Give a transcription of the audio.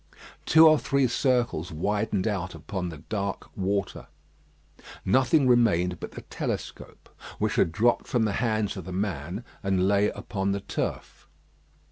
Two or three circles widened out upon the dark water. Nothing remained but the telescope, which had dropped from the hands of the man, and lay upon the turf.